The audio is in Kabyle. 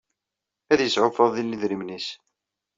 Ad yesɛu Faḍil idrimen-nnes.